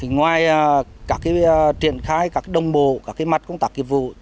ngoài triển khai các đồng bộ các mặt công tác kiệp vụ